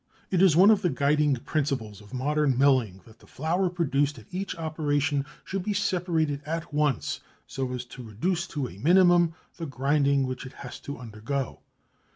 It is one of the guiding principles of modern milling that the flour produced at each operation should be separated at once so as to reduce to a minimum the grinding which it has to undergo.